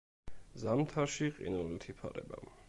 ზამთარში ყინულით იფარება.